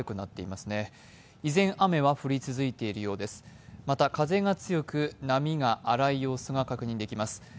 また風が強く、波が荒い様子が確認できます。